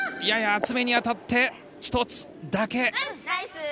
やや厚めに当たって１つだけ。